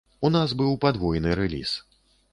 У нас быў падвойны рэліз.